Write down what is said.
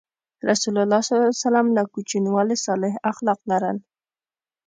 رسول الله ﷺ له کوچنیوالي صالح اخلاق لرل.